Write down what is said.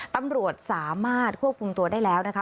ตำรวจสามารถควบคุมตัวได้แล้วนะคะ